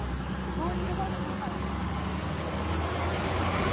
モーリー・ロバートソンさん。